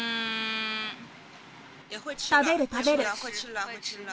食べる、食べる。